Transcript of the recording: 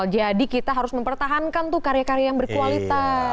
jadi kita harus mempertahankan tuh karya karya yang berkualitas